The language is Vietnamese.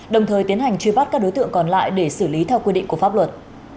đồng thời tiến hành truy bắt các đối tượng còn lại để xử lý theo quy định của pháp luật